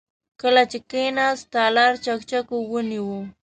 کله چې کېناست، تالار چکچکو ونيو.